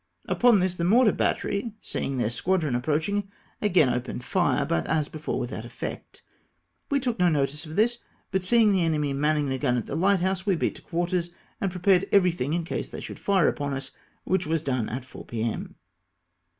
Upon this the mortar battery, seeing their squadron approaching, again opened fire, but, as before, without effect. We took no notice of this, but seeing the enemy mannhig the gun at the hghthouse, we beat to quarters, and pre pared everything in case they should fire upon us, which was done at 4 p.m.